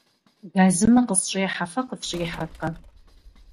Газымэ къысщӏехьэ, фэ къыфщӏихьэркъэ?